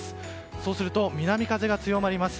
そうすると南風が強まります。